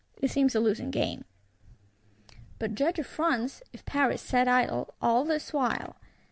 It seems a losing game. But judge if France, if Paris sat idle, all this while!